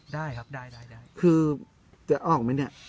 ได้ครับได้ได้คือจะออกไหมเนี่ย